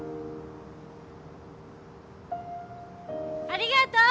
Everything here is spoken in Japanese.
ありがとう！